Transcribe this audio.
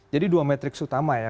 jadi dua metriks utama ya